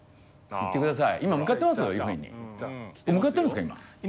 行ってください。